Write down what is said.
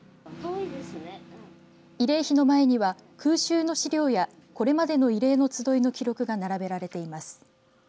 慰霊碑の前には空襲の資料やこれまでの慰霊の集いの記録が並べられています。